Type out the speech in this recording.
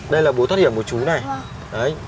đây là bố thoát hiểm của chú này